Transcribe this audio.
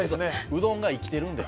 うどんが生きているんで。